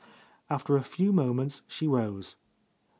After a few moments she rose.